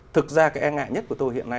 thực ra cái e ngại nhất của tôi hiện nay